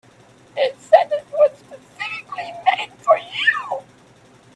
This sentence was specifically made for you.